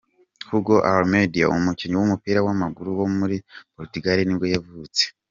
Hugo Almeida, umukinnyi w’umupira w’amaguru wo muri Portugal ni bwo yavutse.